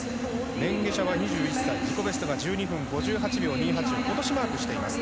メンゲシャは自己ベストが１２分５８秒２８今年マークしています。